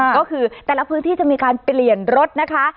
ก็คือแต่ละพื้นที่จะมีการเปลี่ยนรถนะคะ